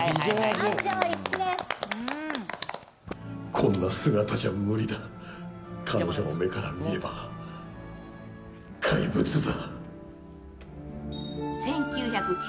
こんな姿じゃ無理だ、彼女の目から見れば怪物だ。